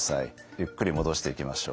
ゆっくり戻していきましょう。